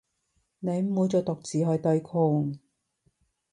你唔會再獨自去對抗